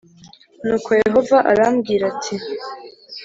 “Nuko Yehova arambwira ati ‘